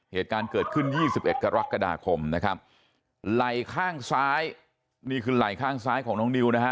เหตุการณ์เกิดขึ้น๒๑กรกฎาคมนะครับไหล่ข้างซ้ายนี่คือไหล่ข้างซ้ายของน้องนิวนะฮะ